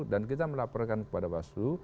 dan kita melaporkan kepada basulu